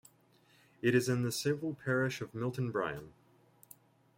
It is in the civil parish of Milton Bryan.